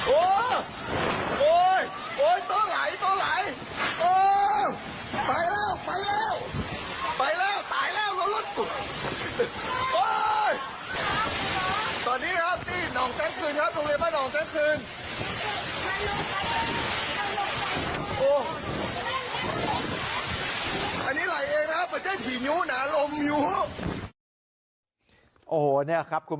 โอ้โฮโอ้โฮโต๊ะไหลโต๊ะไหล